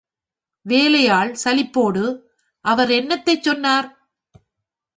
வேலையாள் சலிப்போடு, அவர் என்னத்தைச் சொன்னார்?